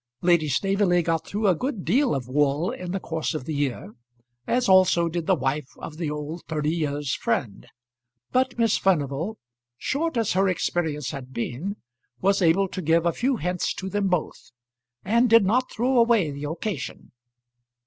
Lady Staveley got through a good deal of wool in the course of the year, as also did the wife of the old thirty years' friend; but Miss Furnival, short as her experience had been, was able to give a few hints to them both, and did not throw away the occasion.